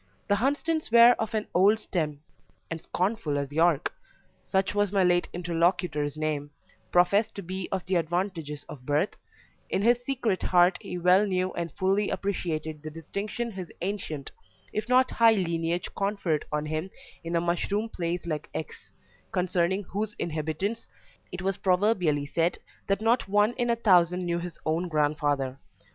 The Hunsdens were of an old stem; and scornful as Yorke (such was my late interlocutor's name) professed to be of the advantages of birth, in his secret heart he well knew and fully appreciated the distinction his ancient, if not high lineage conferred on him in a mushroom place like X , concerning whose inhabitants it was proverbially said, that not one in a thousand knew his own grandfather.